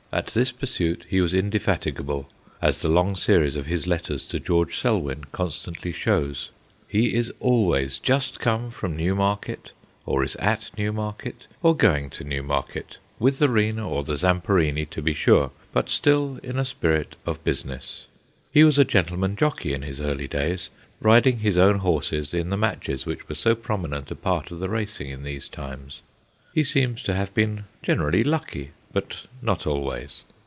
At this pursuit he was indefatigable, as the long series of his letters to George Selwyn constantly shows. He is always just come from New market, or is at Newmarket, or going to Newmarket with the Rena or the Zam perini, to be sure, but still in a spirit of business. He was a gentleman jockey in his early days, riding his own horses in the matches which were so prominent a part of the racing in these times. He seems to have been generally lucky, but not always.